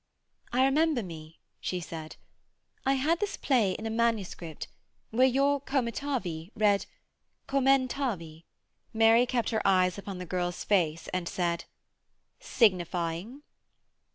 'I remember me,' she said, 'I had this play in a manuscript where your commetavi read commentavi.' Mary kept her eyes upon the girl's face, and said: 'Signifying?'